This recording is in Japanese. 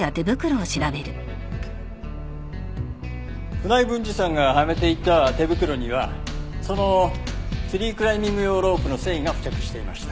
船井文治さんがはめていた手袋にはそのツリークライミング用ロープの繊維が付着していました。